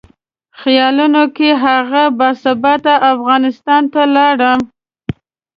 خیالونو کې هغه باثباته افغانستان ته لاړم.